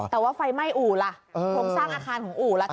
แต่ว่าไฟไหม้อู่ล่ะโครงสร้างอาคารของอู่ล่ะค่ะ